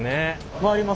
回ります。